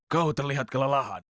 kau terlihat kelelahan